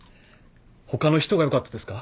他の人がよかったですか？